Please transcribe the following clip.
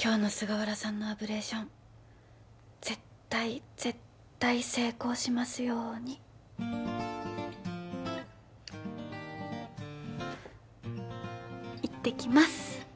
今日の菅原さんのアブレーション絶対絶対成功しますようにいってきます